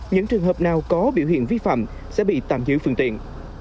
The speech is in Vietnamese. những trường hợp nào có biểu hiện vi phạm sẽ bị tạm giữ phương tiện